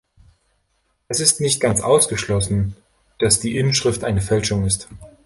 Es ist nicht ganz ausgeschlossen, dass die Inschrift eine Fälschung ist.